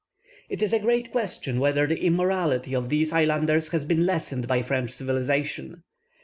It is a great question whether the immorality of these islanders has been lessened by French civilization.